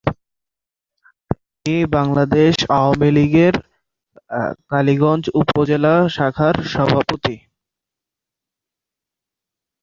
তিনি বাংলাদেশ আওয়ামী লীগের কালীগঞ্জ উপজেলা শাখার সভাপতি।